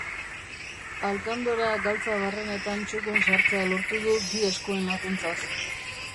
Alkandora galtza barrenetan txukun sartzea lortu du bi eskuen laguntzaz.